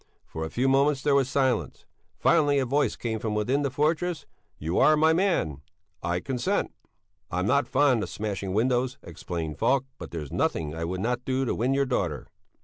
For a few moments there was silence. Finally a voice came from within the fortress: "You are my man! I consent." "I'm not fond of smashing windows," explained Falk, "but there's nothing I would not do to win your daughter."